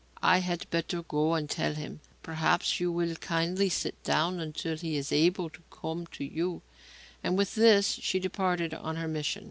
I had better go and tell him. Perhaps you will kindly sit down until he is able to come to you," and with this she departed on her mission.